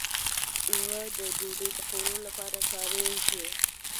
اوړه د ډوډۍ پخولو لپاره کارېږي